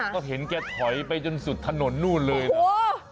ก็เห็นแกถอยไปจนสุดถนนนู่นเลยนะ